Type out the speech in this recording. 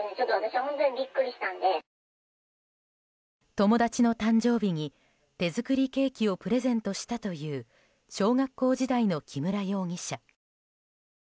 友達の誕生日に手作りケーキをプレゼントしたという小学校時代の木村容疑者。